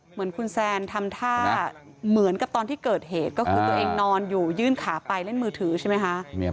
เหมือนคุณแซนทำท่าเหมือนกับตอนที่เกิดเหตุก็คือตัวเองนอนอยู่ยื่นขาไปเล่นมือถือใช่ไหมคะ